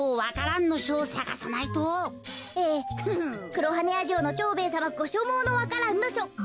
黒羽屋城の蝶兵衛さまごしょもうの「わか蘭のしょ」。